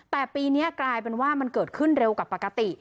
แต่ปีนี้กลายเป็นว่ามันเกิดขึ้นเร็วกว่าปกติ